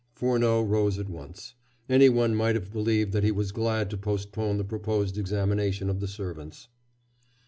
Furneaux rose at once. Anyone might have believed that he was glad to postpone the proposed examination of the servants.